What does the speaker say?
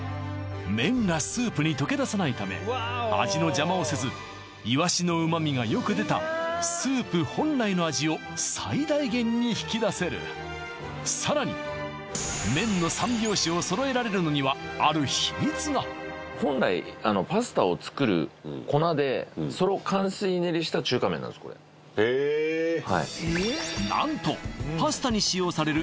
麺がスープに溶け出さないため味の邪魔をせずイワシの旨味がよく出たスープ本来の味を最大限に引き出せるさらに麺の三拍子を揃えられるのにはある秘密がへえっはい何とパスタに使用する